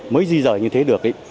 mới di dời như thế được